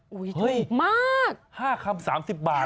ถูกมาก๕คำ๓๐บาท